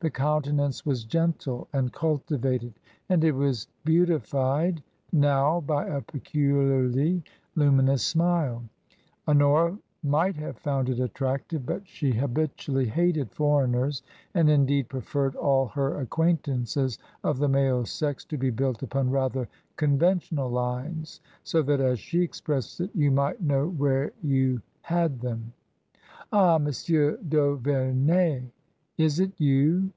The countenance was gentle and culti vated, and it was beautified now by a peculiarly lumi nous smile. Honora might have found it attractive; but io6 TRANSITION. she habitually hated foreigners, and, indeed, preferred all her acquaintances of the male sex to be built upon rather conventional lines, so that, as she expressed it, "you might know where you had them." " Ah ! Monsieur d'Auverney ! Is it you